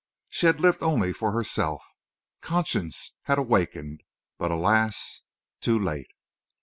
She had lived only for herself. Conscience had awakened—but, alas! too late.